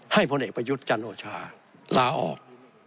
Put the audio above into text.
พลเอกประยุทธ์จันโอชาลาออก